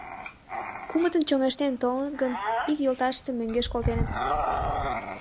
Кумытын чоҥештен толыныт гын, ик йолташыштым мӧҥгеш колтенытыс.